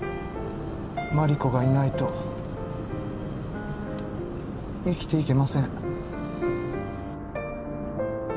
真梨子がいないと生きていけません。